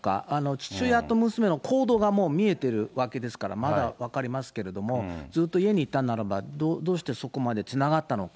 父親と娘の行動がもう見えてるわけですから、まだ分かりますけれども、ずっと家にいたならば、どうしてそこまでつながったのか。